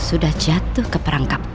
sudah jatuh ke perangkapku